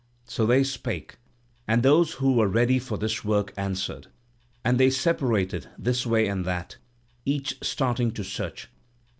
So they spake, and those who were ready for this work answered, and they separated this way and that, each starting to search.